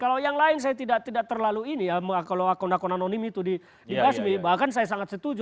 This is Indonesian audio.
kalau yang lain saya tidak terlalu ini ya kalau akun akun anonim itu dibasmi bahkan saya sangat setuju